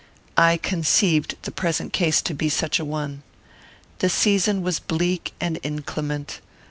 I conceived the present case to be such a one. The season was bleak and inclement.